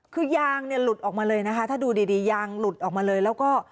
คือยางเนี่ยหลุดออกมาเลยนะคะถ้าดูดียางหลุดออกมาเลยแล้วก็